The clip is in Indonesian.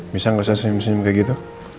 bisa nggak usah senyum senyum kayak gitu